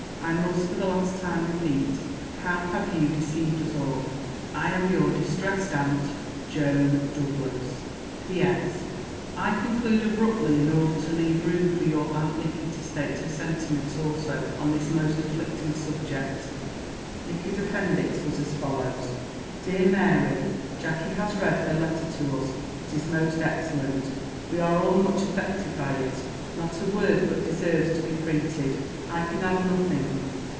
I must, for the last time repeat, how have you deceived us all! "I am your distressed aunt, "JOAN DOUGLAS. P.S. I conclude abruptly, in order to leave room for your Aunt Nicky to state her sentiments also on this most afflicting subject." Nicky's appendix was as follows: "DEAR MARY Jacky has read her letter to us. It is most excellent. We are all much affected by it. Not a word but deserves to be printed. I can add nothing.